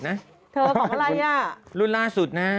นี่รุ่นล่าสุดนะ